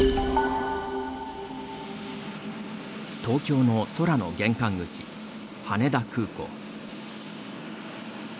東京の空の玄関口、羽田空港。